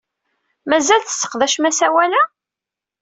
Mazal tesseqdacem asawal-a?